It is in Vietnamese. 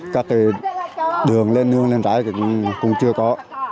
các tỷ đường lên đường lên rãi thì cũng chưa có